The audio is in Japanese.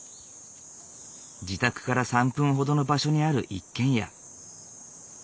自宅から３分ほどの場所にある一軒家。